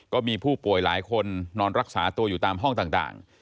ก็มีผู้ป่วยหลายคนนอนรักษาตัวอยู่ตามห้องต่าง